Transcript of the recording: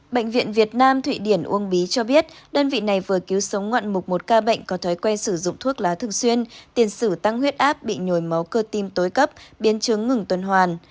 bệnh viện việt nam thụy điển uông bí cho biết đơn vị này vừa cứu sống ngoạn mục một ca bệnh có thói quen sử dụng thuốc lá thường xuyên tiền sử tăng huyết áp bị nhồi máu cơ tim tối cấp biến chứng ngừng tuần hoàn